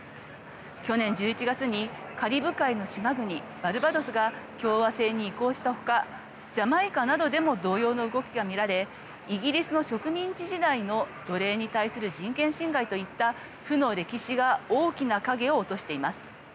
去年１１月にカリブ海の島国バルバドスが共和制に移行したほかジャマイカなどでも同様の動きが見られイギリスの植民地時代の奴隷に対する人権侵害といった負の歴史が大きな影を落としています。